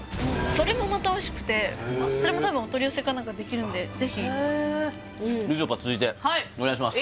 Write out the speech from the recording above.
それもまたおいしくてそれも多分お取り寄せか何かできるんでぜひみちょぱ続いてお願いします